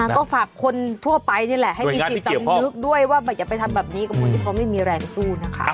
ก็ฝากคนทั่วไปนี่แหละให้มีจิตสำนึกด้วยว่าอย่าไปทำแบบนี้กับคนที่เขาไม่มีแรงสู้นะคะ